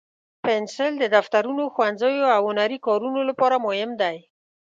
پنسل د دفترونو، ښوونځیو، او هنري کارونو لپاره مهم دی.